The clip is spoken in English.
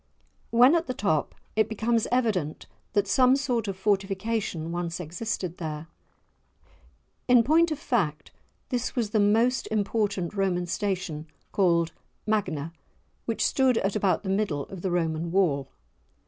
When at the top, it becomes evident that some sort of fortification once existed there. In point of fact this was the important Roman station called "Magna" which stood at about the middle of the Roman Wall.